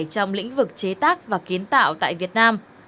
trong lĩnh vực chế tác và kiến tạo tại việt nam